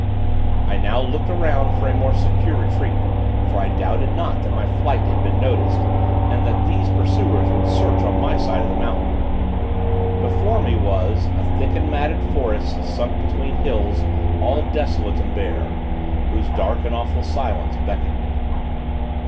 I now looked around for a more secure retreat, for I doubted not that my flight had been noticed, and that these pursuers would search on my side of the mountain. Behind me was A thick and matted forest, sunk between hills All desolate and bare, whose dark and awful silence Beckoned me.